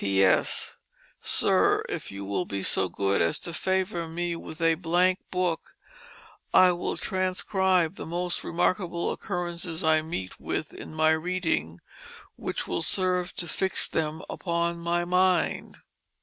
P.S. Sir, if you will be so good as to favour me with a Blank Book, I will transcribe the most remarkable occurrences I meet with in my reading which will serve to fix them upon my mind."